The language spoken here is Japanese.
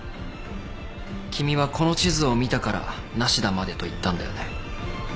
君はこの地図を見たから「ナシダまで」と言ったんだよね。